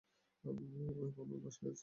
ও এখন ওর বাসায় আছে।